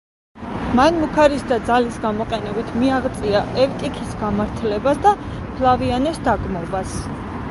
მან მუქარის და ძალის გამოყენებით მიაღწია ევტიქის გამართლებას და ფლავიანეს დაგმობას.